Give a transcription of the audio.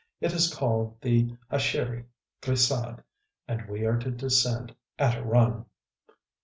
It is called the hashiri (ŌĆ£glissadeŌĆØ); and we are to descend at a run!...